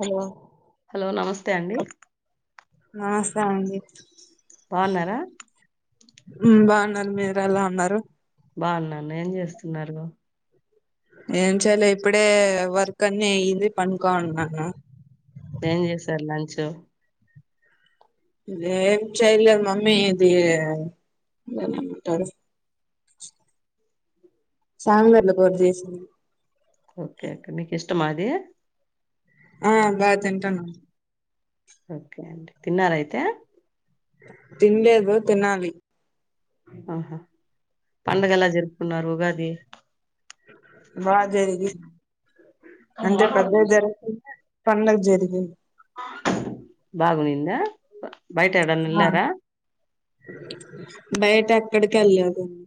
Hello hello నమస్తే అండి నమస్తే అండి బన్నారా బాగున్నారు మీరు ఎలా ఉన్నారు బాగున్నాన్న ఏం చేస్తున్నారు ఏం చలే ఇప్పుడే వర్క్ అన్ని ఇది పనుకోన్నాను ఏం చేసారు లంచ్ ఏ చెై మమ్మీది సాంగర్లలకు దేశం ఓకే ఓకే మీకు ఇష్టమాది ఆ బా తంటాను ఓకే అండి తిన్నారయితే తిండేదు తినాలి ఆహా పండుగ ఎలా జరుపుకున్నారు ఉగా అ బాగా జరిగి అంటే పెద్దది జరకు పంగ జరిగింది బాగులింద బయట ఎడాని ఆ ఇలారా బయట ఎక్కడికి వెళ్ళాదన్ని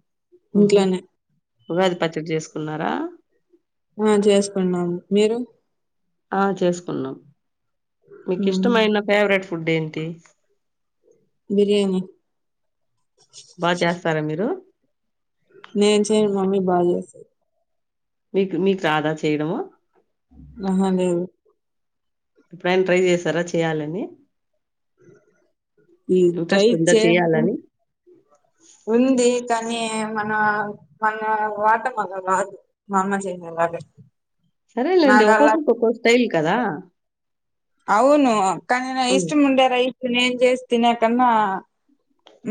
ఉహ ఉగాది పచ్చడి చేసుకున్నారు ఆ ఆ చేసుకున్నాం మీరు ఆ చేసుకున్నాం మీకు ఇష్టమైన ఫేవరెట్ ఫుడ్ ఏంటి బిర్యానీ బాగా చేస్తారా మీరు నే చె మమ్మీ బాజస మీకు మీకు రాదా చేయడము అహా లేేదు ఎప్పుడైనా ట్రై చేశారా చేయాలని ఈయి ఇంట్రెస్ట్ ఉందా చె చేయాలని ఉంది కానీ మన మన వాట అలా రాదు మా అమ్మ చెన్నలాగే సరేలేండి ఒక్కొక్కక్క ఒక్కొ స్టైల్ కదా అవును కనీన ఉమ్ ఇష్ట ముండ్యార ఇ నేం చేసి తినకన్నా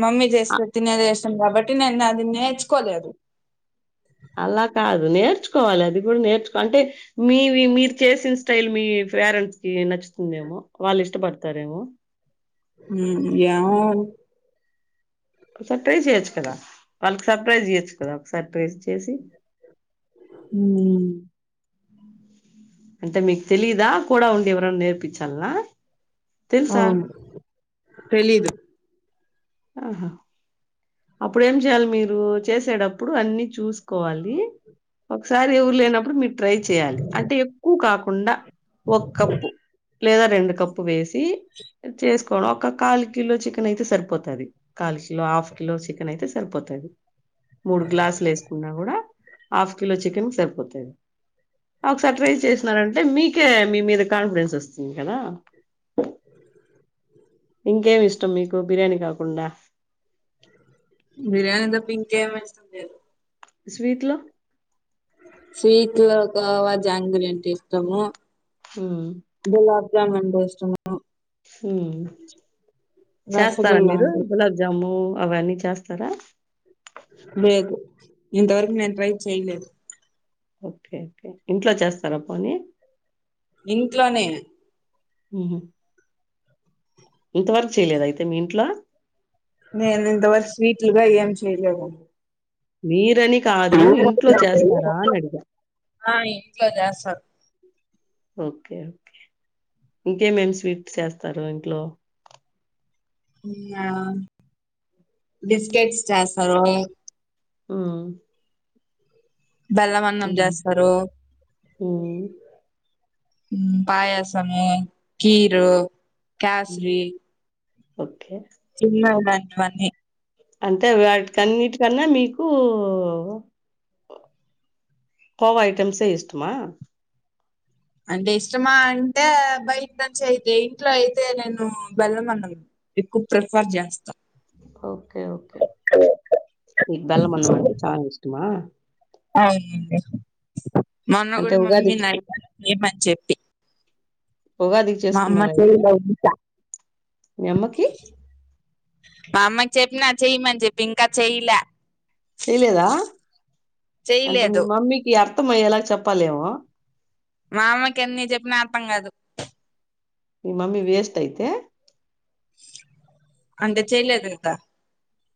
మమ్మీ జ అ చేస్త తిన అదే సంభవ పటిన అదది నేచ్చుకోవలేదు అదు అలా కాదు నేర్చుకోవాలి. అది కూడా నేర్చుకోవా లి అంటే మీవి మీరు చేసిన స్టైల్ మీ పేరెంట్స్ కి నచ్చుతుందేమో వాళ్ళు ఇష్టపడతారేమో. హ య వో ఒకసారి ట్రై చెయొచ్చు కదా వాళ్ళకి సర్ప్రైజ్ చెయ్యొచ్చు. కదా ఒకసారి ట్రై చేసి హ అంటే మీకు తెలిదా కూడా ఉండి ఎవరైనా నేర్పించాలనా. తెలుసా అవును తెలీదు ఆహా అప్పుడు ఏం చేయాలి. మీరు చేసేటప్పుడు అన్ని చూసుకోవాలి. ఒకసారి ఎవరు లేనప్పుడు మీరు ట్రై చేయాలి. అంటే ఎక్కువ కాకుండా ఒక కప్పు లేదా రెండు కప్పు వేసి చేసుకోవ ఒక క కిలో చికన్ అయితే సరిపోది. అది కాల్ కిలో, హాఫ్ కిలో చికెన్ అయితే సరిపోతాది మూడు గ్లాసులు వేసుకున్నా కూడా హాఫ్ కిలో చికెన్ సరిపోతది. ఒక సర్టప్రైజ్ చేసినారంటే మీకు అందుకే మీ మీద కాన్ఫిడెన్స్ వస్తుంది కదా. ఇంకేమి ఇష్టం. మీకు బిర్యానీ కాకుండా బిర్యాని తప్ప ఇంకేమి స్వీట్ లో స్వీట్ లో ఒకవా జాంగ్రీ అంటే ఇష్టము. హ్మ్. గులాబజమన్ ఇష్టమా హు చేస్తారా రసగుల్లా మీరు అంటే గులాబ్జాము అవన్నీ చేస్తారా లేదు ఇంతవరకు నను ట్రై చేయలేదు. ఓకే ఓకే ఇంట్లో చేస్తారా పోనీ ఇంట్లోనే హు హు ఇంతవరకు చేయలేదు అయితే మీ ఇంట్లో. నేను ఇంతవరకు స్వీట్లుగాని ఏం చెయ్యలేదు మీర అని అడిగా. [unintelligible] ఆ ఇంట్లో చేస్తారు. ఓకే ఓకే ఇంకేమేం స్వీట్ చేస్తారు ఇంట్లో. ఆ బిస్కెట్స్ జాస్తి [inaudible] మ్మ్ బెల్లమన్నం చేస్తారు హ్మ్. మ్మ్ పాయసము కీరు హ్మ్. క్యాసవి ఓకే. చిన్నలాంటివన్ని అంటే వాటికన్నిటికన్నా మీకు ఊ కోవ ఐటమ్సే ఇష్టమా అంటే ఇష్టమా అంటే బయట నుంచి అయితే ఇంట్లో అయితే నేను బెల్లమన్నం ఎక్కువ ప్రిఫర్ చేస్తా అవు ఓకే మీక్ బెల్లమన్నం అంటే చాలా ఇష్టమా అవునండి మొన్న కూడ అంటే మమ్మీ ఉగాదికి నడిగా చేయమని చెప్పి ఉగాదికీ మా అమ్మ చేసుకున్నరా అయితే చేయలేదు ఇంకా మీ అమ్మకి మా అమ్మాకి చెప్పిన చేయమని చెప్పి ఇంకా చెయ్యలే చేయలేదా అంటే మీ చెయ్యలేదు మమ్మీకి అ మొత్తమ ఎలాగ చెప్పాలేమో మా అమ్మకి ఎన్ని చెప్పినా అర్థం కాదు ని మమ్మి వేస్ట్ అయితే అంటే చెయలేదు కదా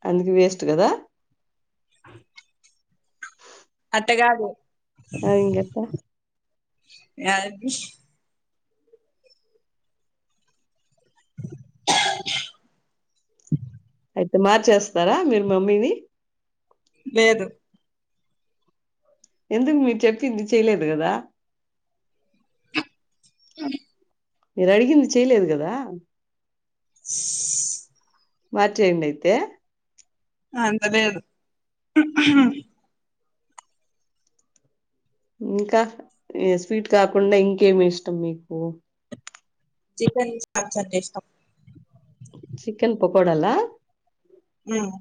అందుకు వేస్ట్ గదా అత్త కాదు ఆ ఇంగెట్ట అది ఐతే మార్చేస్తారా మీరు మమ్మీవి లేదు ఎందుకు మీరు చెప్పింది చెయలేదు కదా అ మీర్ అడిగింది చేయలేదు కదా మార్చేయండి అయితే అంత లేేదు ఇంకా ఈ స్వీట్ కాకుండా ఇంకేమి ఇష్టం మీకు చికెన్ చాప్స్ అంటే ఇష్టం చికెన్ పకొడాలా మ్మ్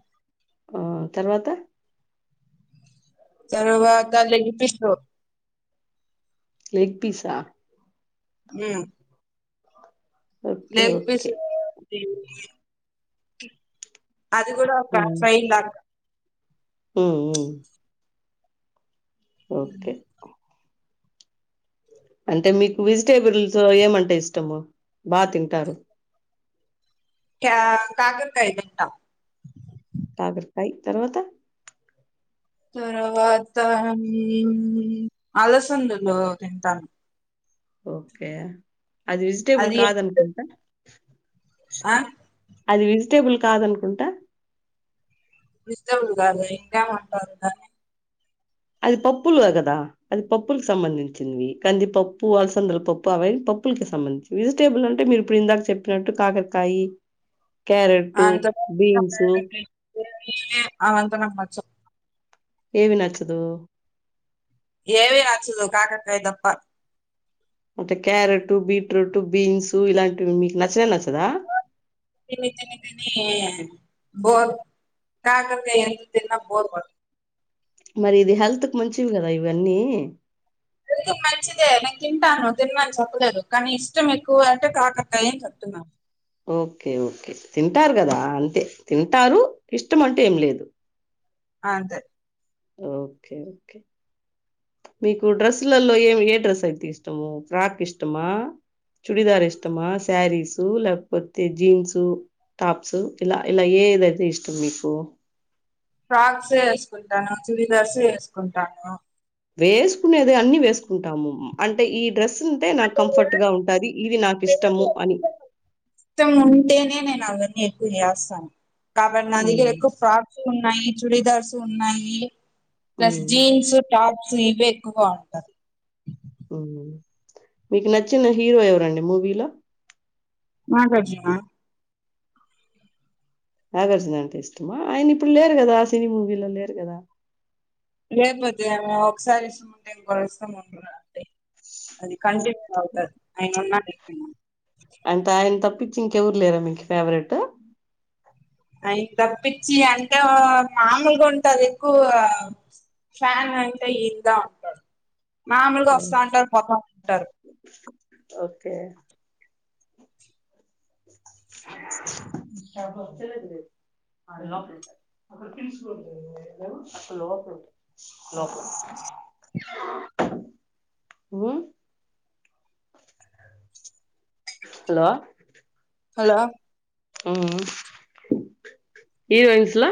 ఆ తర్వాత తర్వాత లెగ్ పీసు లెగ్ పీసా మ్మ్ ఓకే లేెగ్ పీస్ ఓకే ఆ అ అది కూడా ఒక ఫ్రైడ్ లాగా హ్మ్ మ్మ్ ఓకే అంటే మీకు వెజిటేబుల్స్ ఏమంటే ఇష్టము బా తింటారు కే కాకరకాయ తింటాం కాకరకాయ్ తర్వాత తర్వాత అలసందలు తింటాను ఓకే అది వెజిటేబుల్ అది కాదు అనుకుంటా [inaudible] ఆ అది వెజిటేబుల్ కాదనుకుంటా ఇష్టము కాదు ఇంకా ఉంటంటనే అది పప్పులు గా కదా అది పప్పులకి సంబంధించింది కందిపప్పు అలసందల పప్పు అవన్నీ పప్పులకి సంబంధించివి వెజిటేబుల్ అంటే మీరు ఇప్పుడు ఇందాక చెప్పినట్టు కాకరకాయి అవంత నాకు నచ్చవు ఏవి నచ్చదు ఏవి నచ్చదు కాకరకాయ తప్ప అంటే క్యారెట్టు బీట్రూటు బీన్సు ఇలాంటివి మీకు నచ్చనేనచ్చ తిని తిని తినీ బోర్ కాకరకాయ ఎంత తిన్నా బోర్ కొట్ మరి ఇది హెల్త్ కి మంచివి కదా ఇవన్నీ ఇది మంచిదే నేను తింటాను తిననని చెప్పలేదు కానీ ఇష్టం ఎక్కువ అంటే కాకరకాయని చెప్తున్నాను ఓకే ఓకే తింటారు కదా అంతే తింటారు ఇష్టం అంటూ ఏం లేదు అంతే ఓకే ఓకే మీకు డ్రెస్సులలో ఏం ఏ డ్రస్ అయితే ఇష్టము ఫ్రాక్ ఇష్టమా చుడిదారు ఇష్టమా శారీసు లేకపోతే జీన్సు టాప్స్ ఇలా ఇలా ఏదైతే ఇష్టం మీకు ఫ్రాక్స్ వేసుకుంటాను చుడిదార్సు వేసుకుంటాను. వేసుకునేదే అన్ని వేసుకుంటాము అంటే ఈ డ్రెస్ కుంటే నాకు కంఫర్ట్ గా ఉంటాది ఇది నాకు ఇష్టము అని ఇష్టం ఉంటేనే నేను అవన్నీ ఎక్కువ చేస్తాను కాబట్టి నా దగ్గర ఉమ్, ఎక్కువ ఫ్రాక్ లు ఉన్నాయి చూడిదార్సు ఉన్నాయి ప్లస్ ఉమ్, జీన్సు టాప్స్ స్లీపే ఎక్కువగా ఉంటది మీకు నచ్చిన హీరో ఎవరండి మూవీలో నాగార్జున నాగార్జున అంటే ఇష్టమా ఆయన ఇప్పుడు లేరు కదా ఆ సినీ మూవీలో లేరు కదా లేకపోతే ఒకసారి ఇష్టం ఉంటే ఇంకోరు ఇష్టం ఉండరండి అది కంటిన్యూ అవుతాది అయన ఉన్నా లేకున్నా అంటే ఆయన తప్పి ఇంకెవరు లేరా మీకు ఫేవరెట్ ఆయన యి తప్పించి అంటే మామూలుగా ఉంటాది ఎక్కువ ఫ్యాన్ అంటే ఈదా ఉంటారు మామూలుగా వస్తా ఉంటారు పోతా ఉంటారు ఓకే ఆ మ్మ్ హలో హలో మ్మ్ మ్మ్ ఇది వైన్స్లా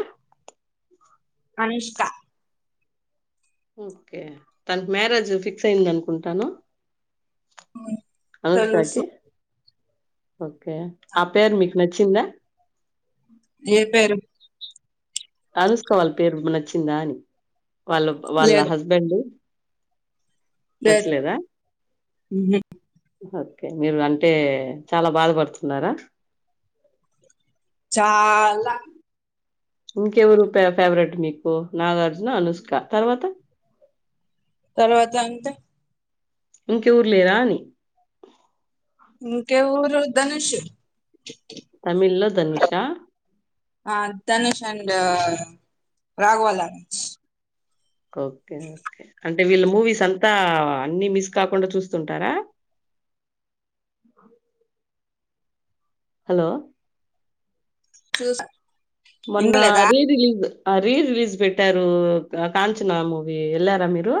అనిష్క ఓకే తనకి మ్యారేజ్ ఫిక్స్ అయిందనుకుంటాను మ్మ్ తెలుసు ఓకే ఆ పేరు మీకు నచ్చిందా ఏ పేరు అనుష్క వాళ్ల పేరు నచ్చిందా అని వాళ్ళ వాళ్ళ హస్బెండు లేేదు హ్మ్ ఓకే మీరు అంటే చాలా బాధపడుతున్నారా చాలా ఇంకెవరు పేవ్ ఫేవరెట్ మీకు నాగార్జున అనుష్క తర్వాత తర్వాత అంతే ఇంకెవరు లేరా అని ఇంకేవురు ధనుష్ తమిళ్ లో ధనుషా ఆ Dhanush and Raghava Lawrence okay okay అంట్ అంటే వీళ్ళ మూవీస్ అంతా అన్ని మిస్ కాకుండా చూస్తుంటారా హలో చూస్ మొన్న రీ రిలీజ్ ఆ రీ రిలీజ్ పెట్టారు ఆ కాంచనా మూవీ వెళ్లారా మీరు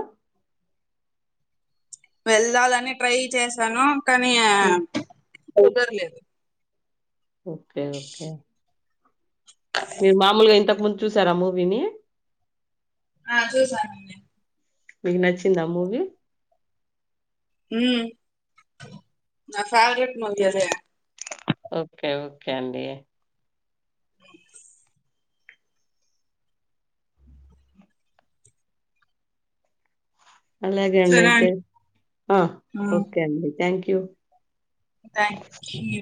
వెళ్లాలని ట్రై చేశాను కానీ హ్మ్. కుదర్లేదు ఓకే ఓకే మీరు మామూలుగా ఇంతకుముందు చూసారా మూవీని ఆ చూసాను నిన్నే మీకు నచ్చిందా మూవీ మ్మ్ నా ఫేవరెట్ మూవీ అదే ఓకే ఓకే అండి అ [inaudible] అలాగే అండి అయితే ఆ ఓకే అండి థ్యాంక్ క్యూ థ్యాంక్యూ